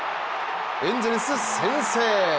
エンゼルス先制。